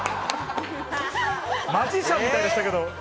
マジシャンみたいでしたけど。